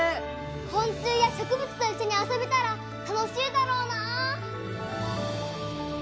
昆虫や植物と一緒に遊べたら楽しいだろうな！